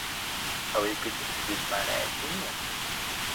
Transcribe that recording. ئەوەی گوتت هیچ مانایەکی نییە.